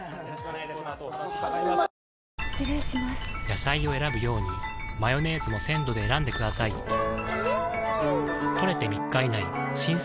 野菜を選ぶようにマヨネーズも鮮度で選んでくださいん！